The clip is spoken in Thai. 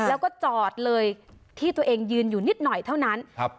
แล้วก็จอดเลยที่ตัวเองยืนอยู่นิดหน่อยเท่านั้นครับ